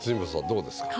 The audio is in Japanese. どうですか？